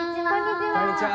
こんにちは。